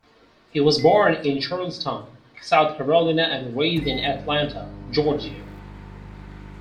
He was born in Charleston, South Carolina and raised in Atlanta, Georgia.